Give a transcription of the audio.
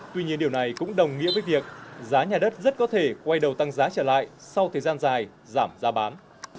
tuy nhiên điều này cũng đồng nghĩa với việc giá nhà đất rất có thể quay đầu tăng giá trở lại sau thời gian dài giảm giá bán